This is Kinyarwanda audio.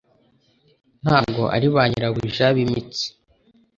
Ntabwo ari ba nyirabuja b'imitsi